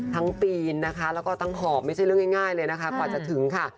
ปีนนะคะแล้วก็ทั้งหอบไม่ใช่เรื่องง่ายเลยนะคะกว่าจะถึงค่ะ